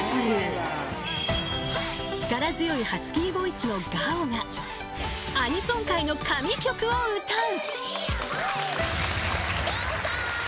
［力強いハスキーボイスのＧＡＯがアニソン界の神曲を歌う］